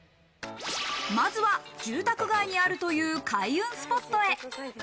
まずは住宅街にあるという開運スポットへ。